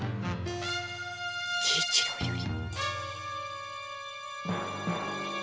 「喜一郎より」。